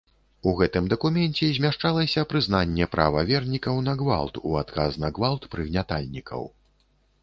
У гэтым дакуменце змяшчалася прызнанне права вернікаў на гвалт у адказ на гвалт прыгнятальнікаў.